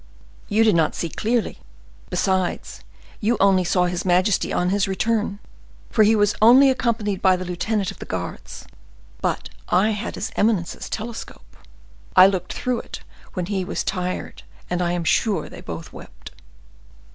"You did not see clearly. Besides, you only saw his majesty on his return, for he was only accompanied by the lieutenant of the guards. But I had his eminence's telescope; I looked through it when he was tired, and I am sure they both wept."